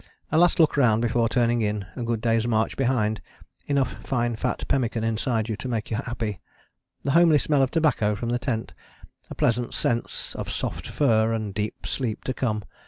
A last look round before turning in, a good day's march behind, enough fine fat pemmican inside you to make you happy, the homely smell of tobacco from the tent, a pleasant sense of soft fur and the deep sleep to come.